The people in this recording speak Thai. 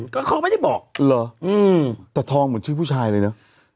ก็เขาไม่ได้บอกเหรอแต่ทองเหมือนชื่อผู้ชายเลยเนอะ